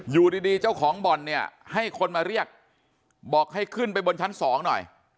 อยู่ดีเจ้าของบ่อนเนี่ยให้คนมาเรียกบอกให้ขึ้นไปบนชั้นสองหน่อย